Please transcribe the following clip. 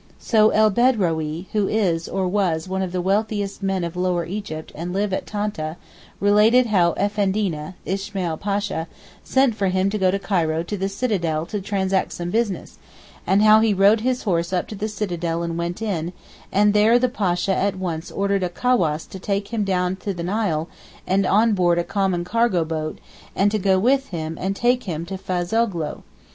So El Bedrawee who is (or was) one of the wealthiest men of Lower Egypt and lived at Tantah, related how Effendina (Ismail Pasha) sent for him to go to Cairo to the Citadel to transact some business, and how he rode his horse up to the Citadel and went in, and there the Pasha at once ordered a cawass to take him down to the Nile and on board a common cargo boat and to go with him and take him to Fazoghlou.